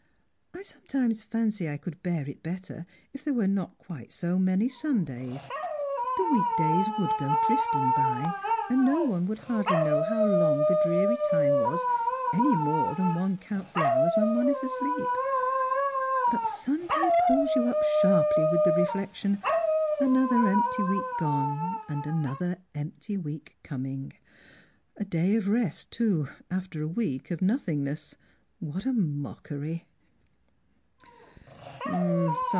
I sometimes fancy I could bear it better if there were not quite so many Sundays. The week days would go drifting by, and one would hardly know how long the dreary time was, any more than one counts the hours when one is asleep. But Sunday pulls you up sharj^ly with the reflection —' Another empty week gone ; another empty week coming!' A day of rest, too, after a week of nothingness. What a mockery